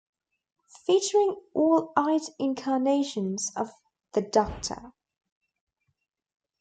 Featuring All Eight Incarnations of The Doctor.